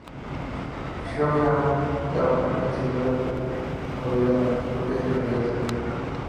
Siobhan Dowd concibió la novela durante su propia enfermedad terminal.